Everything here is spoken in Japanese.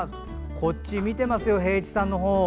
こっち見てますよ平市さんのほう。